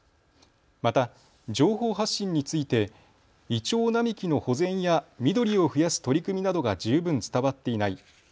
また情報発信についてイチョウ並木の保全や緑を増やす取り組みなどが十分伝わっていない。